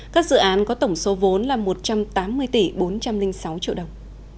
các dự án có tổng số vốn là một trăm tám mươi tỷ bốn trăm linh sáu triệu đồng